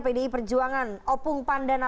pdi perjuangan opung pandana